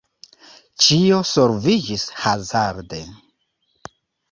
Ĉio solviĝis hazarde.